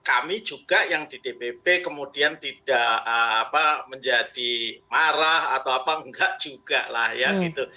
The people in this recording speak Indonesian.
kami juga yang di dpp kemudian tidak menjadi marah atau apa enggak juga lah ya gitu